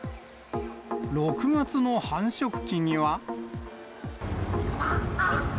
６月の繁殖期には。